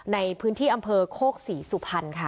ในพื้นที่อำเภอโคกศรีสุพรรณค่ะ